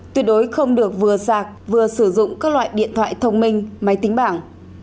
tuyệt đối không được vừa sạc vừa sử dụng các loại điện thoại thông minh máy tính bảng